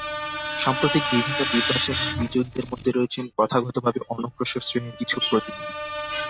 সাম্প্রতিক বিভিন্ন নির্বাচনের বিজয়ীদের মধ্যে রয়েছেন প্রথাগতভাবে অনগ্রসর শ্রেণীর কিছু প্রতিনিধি।